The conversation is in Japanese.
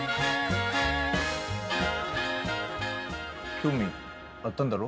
興味あったんだろ？